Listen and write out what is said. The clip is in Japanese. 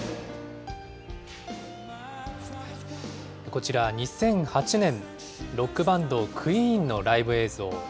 こちら、２００８年、ロックバンド、クイーンのライブ映像。